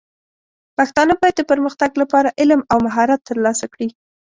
پښتانه بايد د پرمختګ لپاره علم او مهارت ترلاسه کړي.